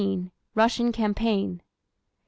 Russian campaign. 1814.